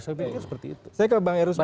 saya pikir seperti itu saya ke bang eruz